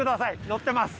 乗ってます。